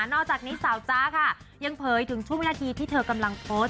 อกจากนี้สาวจ๊ะค่ะยังเผยถึงช่วงวินาทีที่เธอกำลังโพสต์